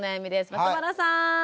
松原さん。